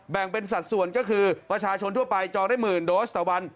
แบ่งเป็นสัดส่วนก็คือประชาชนทั่วไปจองได้หมื่นโดสต่อวัน